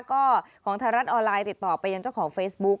ก็ของไทยรัฐออนไลน์ติดต่อไปยังเจ้าของเฟซบุ๊ก